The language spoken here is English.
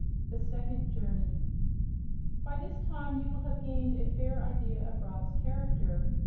9. The Second Journey By this time you will have gained a fair idea of Rob's character.